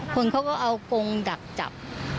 คนเขาก็เอากงดักจับ